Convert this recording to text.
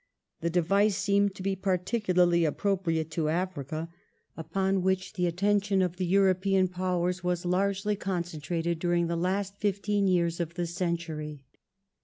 The device seemed to be particularly appropriate to Africa, upon which the attention of the European Powers was largely concentrated during the last fifteen years of the century.